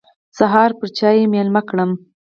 د سهار پر چايو مېلمه کړم.